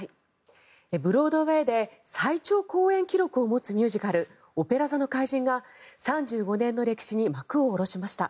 ブロードウェーで最長公演記録を持つミュージカル「オペラ座の怪人」が３５年の歴史に幕を下ろしました。